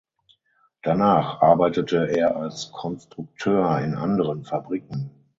Danach arbeitete er als Konstrukteur in anderen Fabriken.